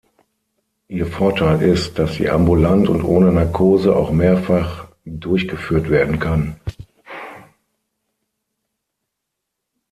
Ihr Vorteil ist, dass sie ambulant und ohne Narkose, auch mehrfach, durchgeführt werden kann.